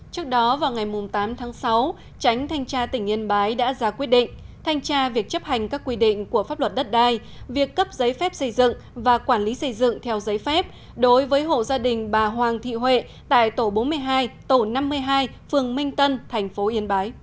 trước đó vào ngày tám tháng sáu tránh thanh tra tỉnh yên bái đã ra quyết định thanh tra việc chấp hành các quy định của pháp luật đất đai việc cấp giấy phép xây dựng và quản lý xây dựng theo giấy phép đối với hộ gia đình bà hoàng thị huệ tại tổ bốn mươi hai tổ năm mươi hai phường minh tân thành phố yên bái